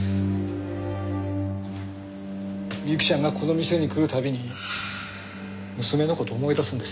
美雪ちゃんがこの店に来る度に娘の事を思い出すんですよ。